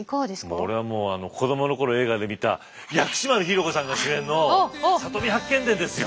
俺はもう子どもの頃映画で見た薬師丸ひろ子さんが主演の「里見八犬伝」ですよ。